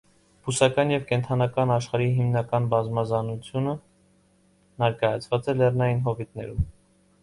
Բուսական և կենդանական աշխարհի հիմնական բազմազանությունը նարկայացված է լեռնային հովիտներում։